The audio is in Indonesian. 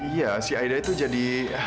iya si aida itu jadi